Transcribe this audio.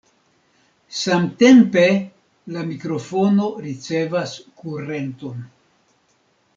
Samtempe la mikrofono ricevas kurenton.